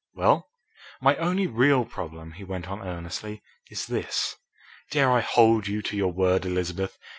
"Well?" "My only real problem," he went on earnestly, "is this. Dare I hold you to your word, Elizabeth?